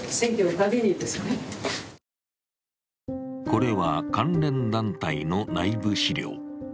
これは関連団体の内部資料。